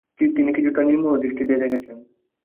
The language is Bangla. তিনি কিছুটা নির্মোহ দৃষ্টিতেই দেখেছেন।